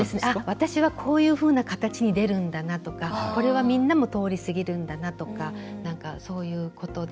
私は、こういうふうな形に出るんだなとかこれは、みんなも通り過ぎるんだなとかそういうことで。